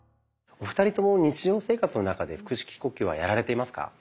２人とも日常生活の中で腹式呼吸はやられていますか？